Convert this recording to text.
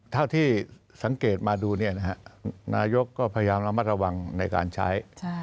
เท่าที่สังเกตมาดูนี่นะครับนายกก็พยายามล้อมระวังในการใช้